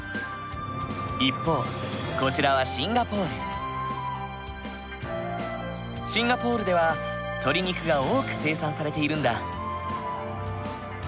一方こちらはシンガポールでは鶏肉が多く生産されているんだ。